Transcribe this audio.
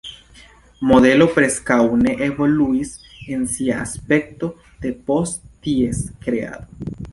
Modelo preskaŭ ne evoluis en sia aspekto depost ties kreado.